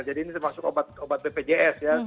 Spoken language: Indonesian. jadi ini termasuk obat bpjs ya